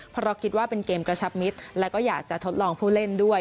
เพราะเราคิดว่าเป็นเกมกระชับมิตรแล้วก็อยากจะทดลองผู้เล่นด้วย